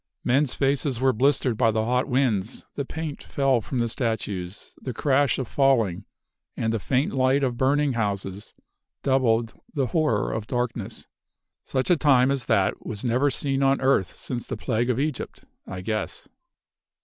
Men's faces were blistered by the hot winds; the paint fell from the statues; the crash of falling, and the faint light of burning houses doubled the horror of darkness. Such a time as that was never seen on earth since the plague of Egypt, I guess!